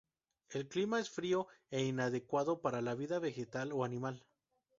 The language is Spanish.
El clima es frío e inadecuado para la vida vegetal o animal.